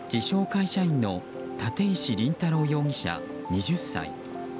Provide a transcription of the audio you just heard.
会社員の立石凜太朗容疑者、２０歳。